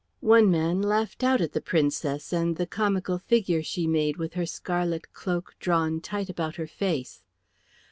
One man laughed out at the Princess and the comical figure she made with her scarlet cloak drawn tight about her face.